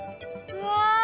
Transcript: うわ